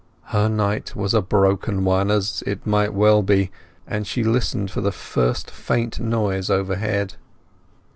Her night was a broken one, as it well might be, and she listened for the first faint noise overhead.